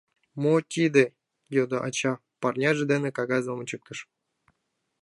— Мо тиде? — йодо ача, парняж дене кагазым ончыктыш.